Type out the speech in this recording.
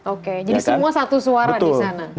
oke jadi semua satu suara di sana